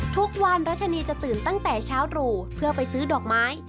ทุกวันรัชนีจะตื่นตั้งแต่เช้าตรู่เพื่อไปซื้อดอกไม้